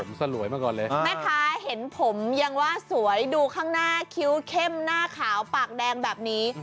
แม่ค้าเห็นผมยังว่าสวยดูข้างหน้าคิ้วเข้มหน้าขาวปากแดงแบบนี้